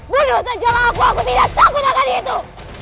bunuh sejauh aku aku tidak takut akan itu